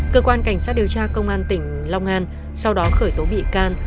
cơ quan cảnh sát điều tra công an tỉnh long an sau đó khởi tố bị can